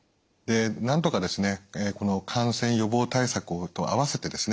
なんとかこの感染予防対策と併せてですね